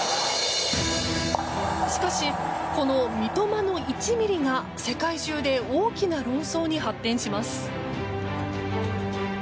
しかし、この三笘の１ｍｍが世界中で大きな論争に発展します。